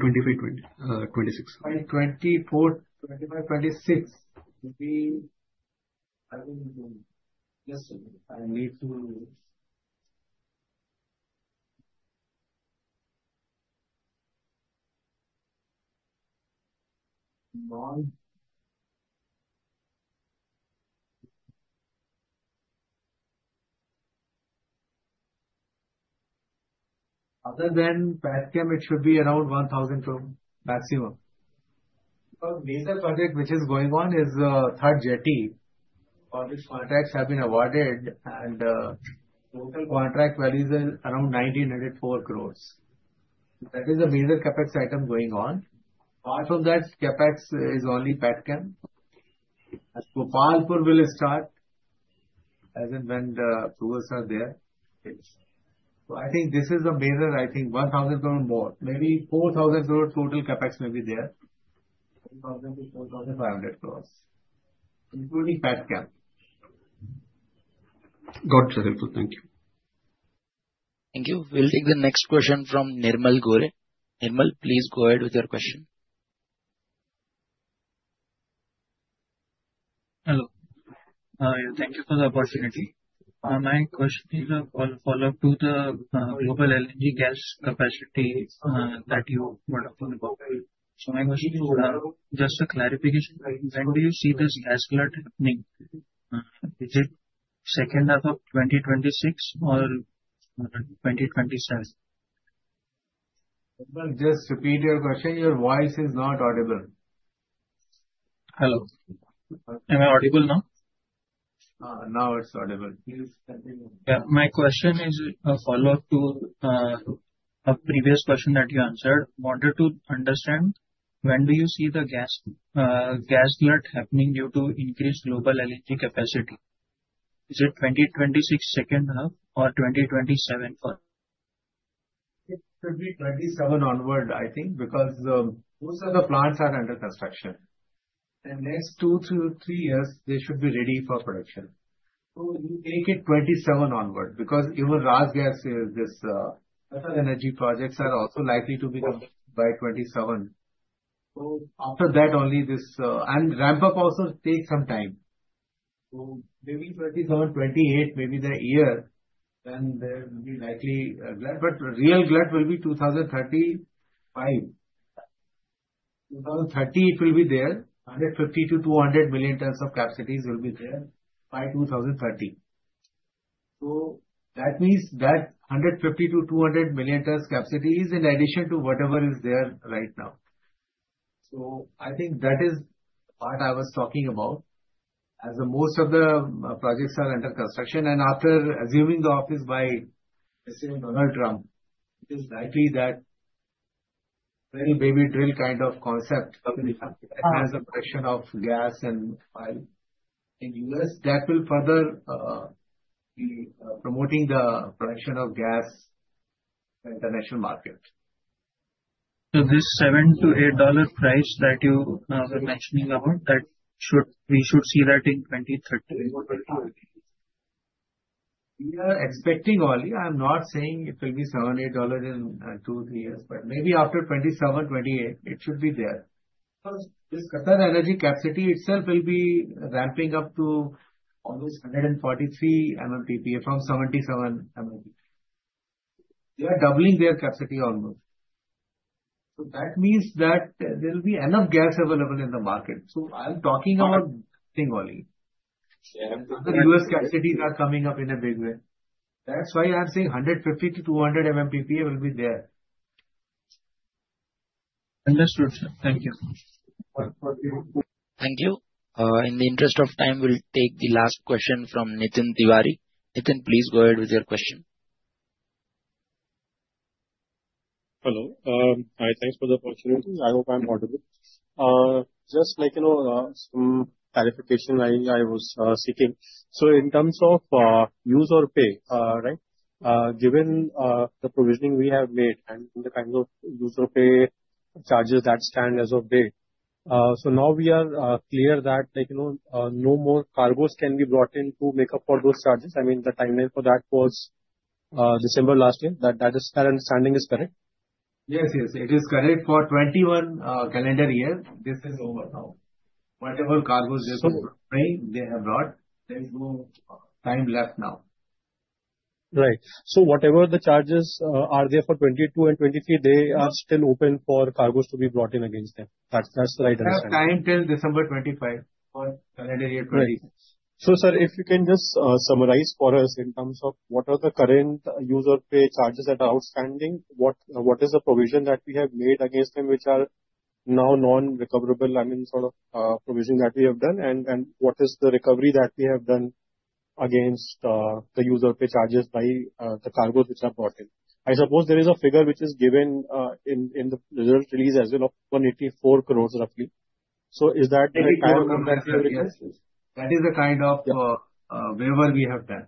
2526. FY24, 25 will be. I will just need to other than PETCAM, it should be around 1,000 crore maximum. Because the major project which is going on is Dahej jetty. All these contracts have been awarded, and total contract value is around 1,904 crores. That is a major CapEx item going on. Apart from that, CapEx is only PETCAM. As Gopalpur will start as and when the approvals are there, so I think this is a major. I think 1,000 crore more. Maybe 4,000 crore total CapEx may be there. 4,000-4,500 crores, including PETCAM. Got it, Rishab. Thank you. Thank you. We'll take the next question from Nirmal Gore. Nirmal, please go ahead with your question. Hello. Thank you for the opportunity. My question is a follow-up to the global LNG gas capacity that you were talking about. So my question is just a clarification. When do you see this gas flood happening? Is it second half of 2026 or 2027? Nirmal, just repeat your question. Your voice is not audible. Hello. Am I audible now? Now it's audible. Please continue. Yeah. My question is a follow-up to a previous question that you answered. Wanted to understand when do you see the gas flood happening due to increased global LNG capacity? Is it 2026 second half or 2027? It should be 2027 onward, I think, because most of the plants are under construction. Next two to three years, they should be ready for production. You take it 2027 onward because even RasGas is this other energy projects are also likely to be completed by 2027. After that, only this and ramp up also takes some time. Maybe 2027, 2028, maybe the year, then there will be likely glut. But real glut will be 2035. 2030, it will be there. 150-200 million tons of capacities will be there by 2030. That means that 150-200 million tons capacity is in addition to whatever is there right now. I think that is what I was talking about as most of the projects are under construction. After assuming the office by Mr. Donald Trump, it is likely that drill baby drill kind of concept that has a production of gas and oil in the U.S. that will further be promoting the production of gas in the international market. So this $7-$8 price that you were mentioning about, we should see that in 2030? We are expecting only. I'm not saying it will be $7-$8 in two, three years. But maybe after 2027, 2028, it should be there. Because this energy capacity itself will be ramping up to almost 143 MMTPA from 77 MMTPA. They are doubling their capacity almost. So that means that there will be enough gas available in the market. So I'm talking about only. The U.S. capacities are coming up in a big way. That's why I'm saying 150-200 MMTPA will be there. Understood, sir. Thank you. Thank you. In the interest of time, we'll take the last question from Nitin Tiwari. Nithin, please go ahead with your question. Hello. Hi. Thanks for the opportunity. I hope I'm audible. Just like some clarification I was seeking. So in terms of Use or Pay, right, given the provisioning we have made and the kind of Use or Pay charges that stand as of date, so now we are clear that no more cargoes can be brought in to make up for those charges. I mean, the timeline for that was December last year. That is, our understanding is correct? Yes, yes. It is correct. For 2021 calendar year, this is over now. Whatever cargoes they have brought, there is no time left now. Right. So whatever the charges are there for 2022 and 2023, they are still open for cargoes to be brought in against them. That's the right understanding. There's time till December 25 for calendar year 2025. Right. So sir, if you can just summarize for us in terms of what are the current use or pay charges that are outstanding, what is the provision that we have made against them which are now non-recoverable, I mean, sort of provision that we have done, and what is the recovery that we have done against the use or pay charges by the cargoes which are brought in? I suppose there is a figure which is given in the result release as well of ₹184 crore roughly. So is that the kind of? That is the kind of waiver we have done.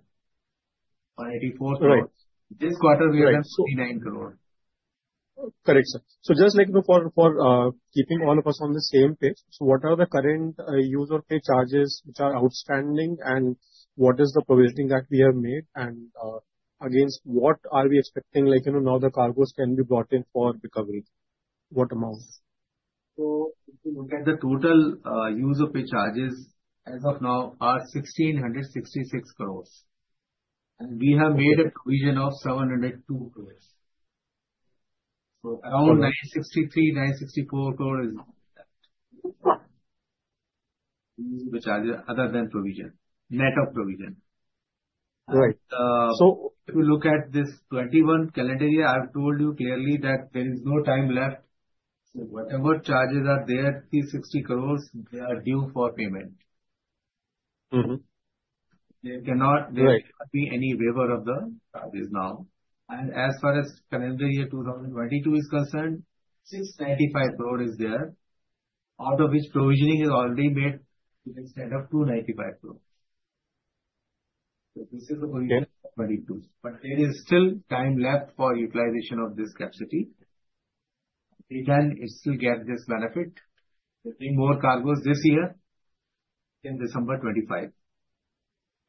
₹184 crore. This quarter, we have done ₹29 crore. Correct, sir. Just for keeping all of us on the same page, so what are the current use or pay charges which are outstanding, and what is the provisioning that we have made, and against what are we expecting now the cargoes can be brought in for recovery? What amount? So look at the total use or pay charges as of now are 1,666 crores. And we have made a provision of 702 crores. So around 963, 964 crores is the charges other than provision, net of provision. Right. So if you look at the 2021 calendar year, I've told you clearly that there is no time left. So whatever charges are there, 360 crore, they are due for payment. There cannot be any waiver of the charges now. And as far as calendar year 2022 is concerned, 695 crore is there, out of which provisioning is already made in respect of 295 crore. So this is the provision of 2022. But there is still time left for utilization of this capacity. We can still get this benefit. There will be more cargoes this year in December 2025.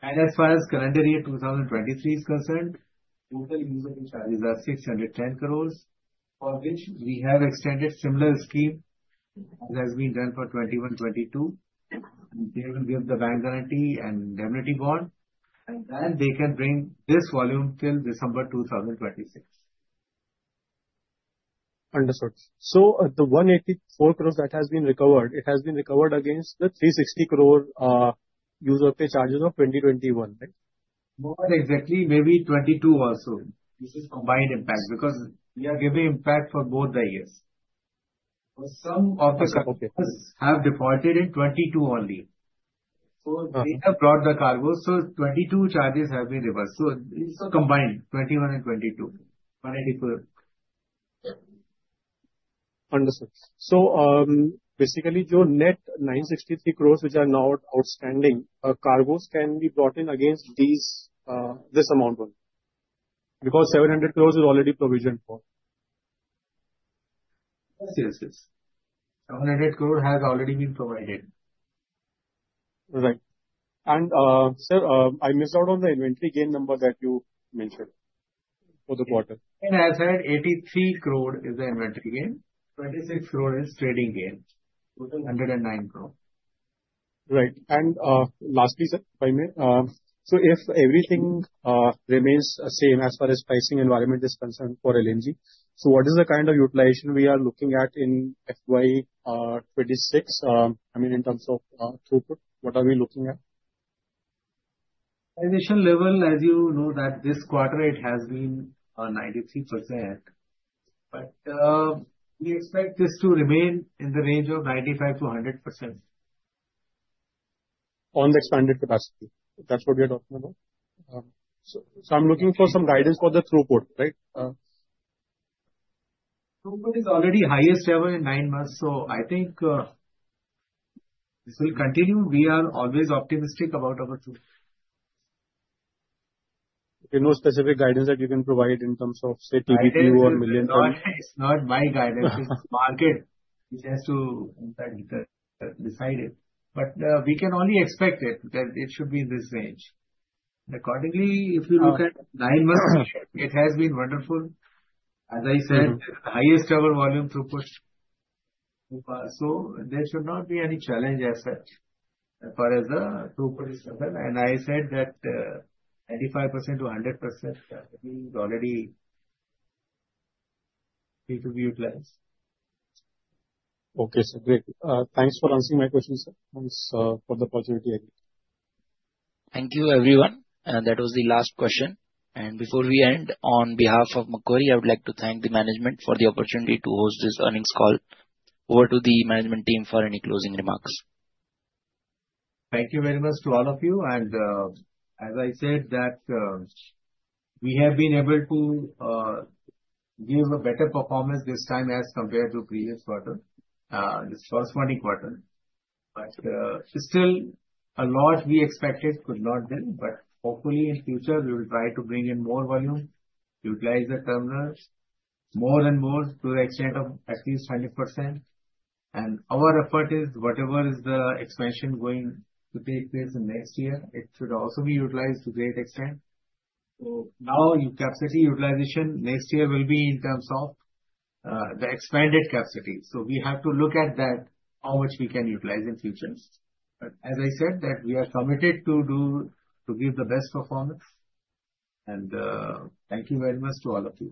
And as far as calendar year 2023 is concerned, total use or pay charges are 610 crore, for which we have extended similar scheme as has been done for 2021, 2022. They will give the bank guarantee and indemnity bond. And then they can bring this volume till December 2026. Understood. The 184 crore that has been recovered, it has been recovered against the 360 crore use or pay charges of 2021, right? Not exactly. Maybe 2022 also. This is combined impact because we are giving impact for both the years. But some of the cargoes have defaulted in 2022 only. So they have brought the cargoes. So 2022 charges have been reversed. So it's combined, 2021 and 2022, 184. Understood. So basically, your net 963 crores which are now outstanding, cargoes can be brought in against this amount only because 700 crores is already provisioned for? Yes, yes, yes. 700 crore has already been provided. Right. And, sir, I missed out on the inventory gain number that you mentioned for the quarter. As I said, ₹83 crore is the inventory gain. ₹26 crore is trading gain. Total ₹109 crore. Right, and lastly, sir, so if everything remains the same as far as pricing environment is concerned for LNG, so what is the kind of utilization we are looking at in FY 26? I mean, in terms of throughput, what are we looking at? Utilization level, as you know, that this quarter, it has been 93%. But we expect this to remain in the range of 95%-100%. On the expanded capacity. That's what you're talking about. So I'm looking for some guidance for the throughput, right? Throughput is already highest ever in nine months. So I think this will continue. We are always optimistic about our throughput. Okay. No specific guidance that you can provide in terms of, say, TBTU or million? It's not my guidance. It's market. It has to decide it. But we can only expect it that it should be in this range. Accordingly, if you look at nine months, it has been wonderful. As I said, highest ever volume throughput. So there should not be any challenge as such as far as the throughput is concerned. And I said that 95% to 100% is already to be utilized. Okay, sir. Great. Thanks for answering my question, sir. Thanks for the opportunity. Thank you, everyone. That was the last question, and before we end, on behalf of Macquarie, I would like to thank the management for the opportunity to host this earnings call. Over to the management team for any closing remarks. Thank you very much to all of you. And as I said, that we have been able to give a better performance this time as compared to previous quarter, this corresponding quarter. But still, a lot we expected could not be done. But hopefully, in future, we will try to bring in more volume, utilize the terminals more and more to the extent of at least 100%. And our effort is whatever is the expansion going to take place in next year, it should also be utilized to a great extent. So now your capacity utilization next year will be in terms of the expanded capacity. So we have to look at that, how much we can utilize in future. But as I said, that we are committed to do to give the best performance. And thank you very much to all of you.